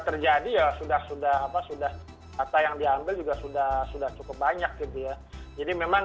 terjadi ya sudah sudah apa sudah kata yang diambil juga sudah sudah cukup banyak gitu ya jadi memang